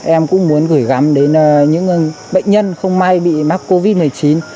em cũng muốn gửi gắm đến những bệnh nhân không may bị mắc covid một mươi chín